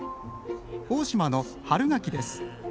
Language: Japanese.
大島の春ガキです。